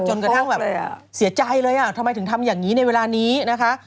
จนกระทั่งแบบเสียใจเลยอ่ะทำไมถึงทำอย่างนี้ในเวลานี้นะคะ